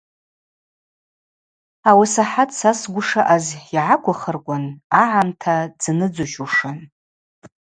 Ауи асахӏат са сгвы шаъаз йгӏаквухырквын агӏамта дзныдзущушын.